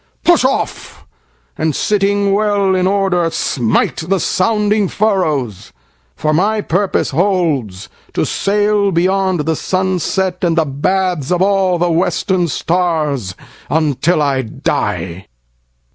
Push off, and sitting well in order smiteThe sounding furrows; for my purpose holdsTo sail beyond the sunset, and the bathsOf all the western stars, until I die.